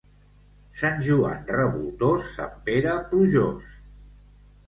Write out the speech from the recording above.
Sant Joan revoltós, Sant Pere plujós.